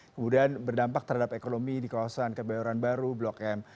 kemudian berdampak terhadap ekonomi di kawasan kebayoran baru blok m